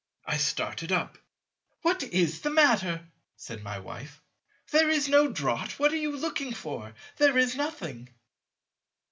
I started up. "What is the matter?" said my Wife, "there is no draught; what are you looking for? There is nothing."